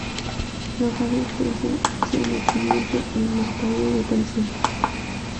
lo fácil que es el sometimiento al mercado de consumo